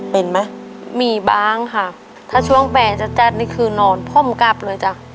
เป็นไหมมีบ้างค่ะถ้าช่วงแปลจัดจัดนี่คือนอนพร้อมกลับเลยจ้ะ